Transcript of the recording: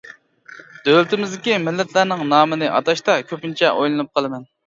دۆلىتىمىزدىكى مىللەتلەرنىڭ نامىنى ئاتاشتا كۆپىنچە ئويلىنىپ قالىمەن.